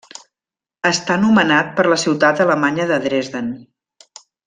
Està nomenat per la ciutat alemanya de Dresden.